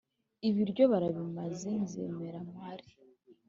ibiryo barabimaze, nzemera mpare